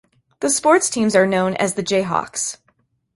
The sports teams are known as the Jayhawks.